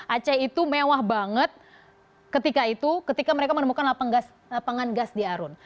aceh itu mewah banget ketika mereka menemukan lapangan gas di arun